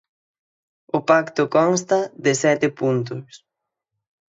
O pacto consta de sete puntos.